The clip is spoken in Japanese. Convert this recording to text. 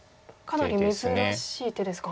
かなり珍しい手ですか。